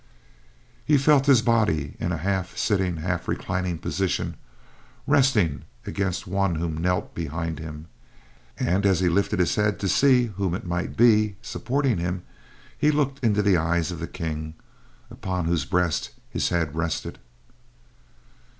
He felt his body, in a half sitting, half reclining position, resting against one who knelt behind him, and as he lifted his head to see who it might be supporting him, he looked into the eyes of the King, upon whose breast his head rested.